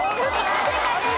正解です。